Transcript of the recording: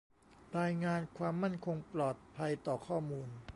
รายงานความมั่นคงปลอดภัยต่อข้อมูล